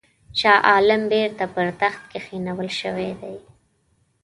شاه عالم بیرته پر تخت کښېنول سوی دی.